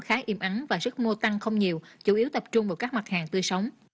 khá im ắng và sức mua tăng không nhiều chủ yếu tập trung vào các mặt hàng tươi sống